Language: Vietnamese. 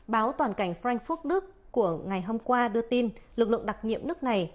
báo toàn cảnh frankfurt đức của ngày hôm qua đưa tin lực lượng đặc nhiệm nước này